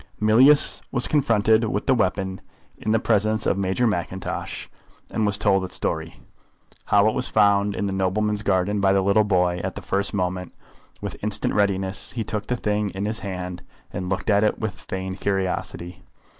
Mealyus was confronted with the weapon in the presence of Major Mackintosh, and was told its story; how it was found in the nobleman's garden by the little boy. At the first moment, with instant readiness, he took the thing in his hand, and looked at it with feigned curiosity.